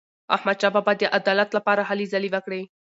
احمدشاه بابا د عدالت لپاره هلې ځلې وکړې.